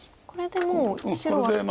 これでもう白は。